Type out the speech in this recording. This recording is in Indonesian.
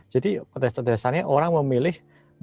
jadi potensi potensi ini orang memilih